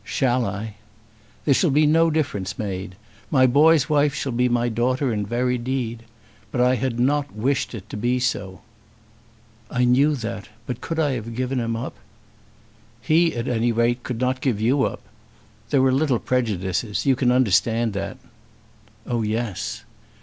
"Shall I?" "There shall no difference be made. My boy's wife shall be my daughter in very deed. But I had not wished it to be so." "I knew that; but could I have given him up?" "He at any rate could not give you up. There were little prejudices; you can understand that." "Oh yes."